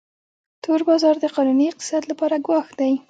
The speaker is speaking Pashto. تور بازار د قانوني اقتصاد لپاره ګواښ دی